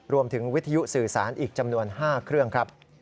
วิทยุสื่อสารอีกจำนวน๕เครื่องครับ